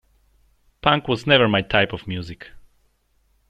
Punk was never my type of music.